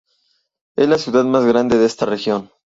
Es la ciudad más grande de esta región.